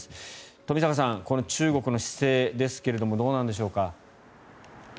冨坂さん、この中国の姿勢ですがどうなんでしょうか。